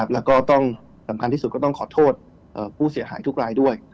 แล้วก็ต้องสำคัญที่สุดก็ต้องขอโทษผู้เสียหายทุกรายด้วย